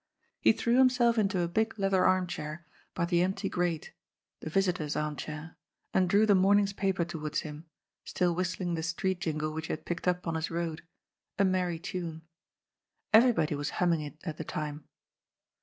He threw himself into a big leather arm chair by the empty grate — ^the visitor's arm chair — ^and drew the morn ing's paper towards him, still whistling the street jingle which he had picked up on his road — a merry tune. Every body was humming it at the time.